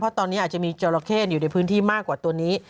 เพราะตอนนี้อาจจะมีจราเข้อยู่ในพื้นที่มากกว่าตัวนี้